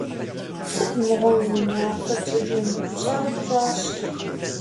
Сыт мыгъуэм и унафэ тщӏыжын? Пщӏэнур пщӏащ.